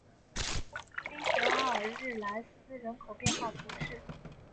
滨海阿尔日莱斯人口变化图示